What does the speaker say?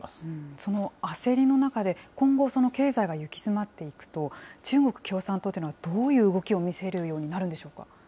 その焦りの中で、今後、その経済が行き詰まっていくと、中国共産党っていうのは、どういう動きを見せるようになるんでしょうか。